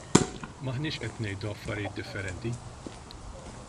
M'aħniex qed ngħidu affarijiet differenti.